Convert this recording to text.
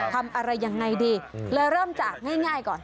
ทำอะไรยังไงดีเลยเริ่มจากง่ายก่อน